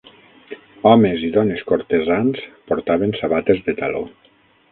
Homes i dones cortesans portaven sabates de taló.